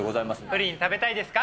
プリン食べたいですか？